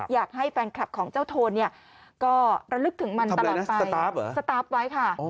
อยากให้แฟนคลับของเจ้าโทนเนี่ยก็ระลึกถึงมันตลอดไปสตาร์ฟไว้ค่ะ